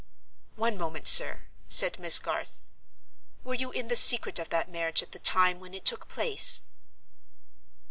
"One moment, sir," said Miss Garth. "Were you in the secret of that marriage at the time when it took place?"